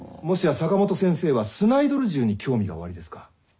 もしや坂本先生はスナイドル銃に興味がおありですか？